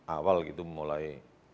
awal gitu mulai